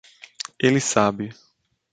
Ele sabe